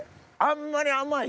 あんまり。